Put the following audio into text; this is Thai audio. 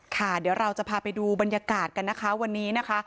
ค่ะเดี๋ยวเราจะพาไปดูบรรยากาศกันนะคะวันนี้นะคะ